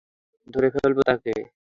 ধরে ফেলব তাকে।